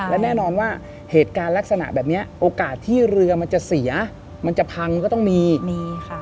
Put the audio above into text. และแน่นอนว่าเหตุการณ์ลักษณะแบบเนี้ยโอกาสที่เรือมันจะเสียมันจะพังก็ต้องมีมีค่ะ